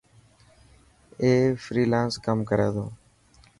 اي فرالانس ڪم ڪري تو.